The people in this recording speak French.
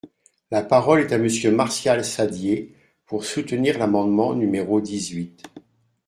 La parole est à Monsieur Martial Saddier, pour soutenir l’amendement numéro dix-huit.